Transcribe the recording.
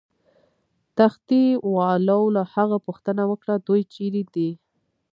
تختې والاو له هغه پوښتنه وکړه: دوی چیرې دي؟